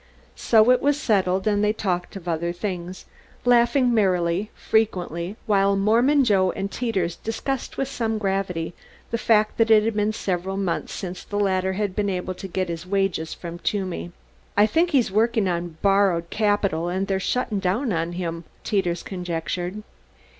So it was settled, and they talked of other things, laughing merrily, frequently, while Mormon Joe and Teeters discussed with some gravity the fact that it had been several months since the latter had been able to get his wages from Toomey. "I think he's workin' on borried capital and they're shuttin' down on him," Teeters conjectured.